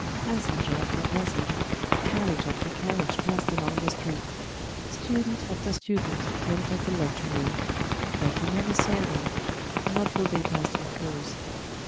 Passenger after passenger, carriage after carriage passed along the street: student after student entered the lecture room; but he never saw them, not though they passed him close.